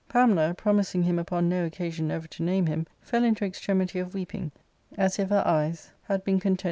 Pamela, promising him upon no occasion ever to name him, fell into extremity of weeping, as if her eyes had been content ARCADIA.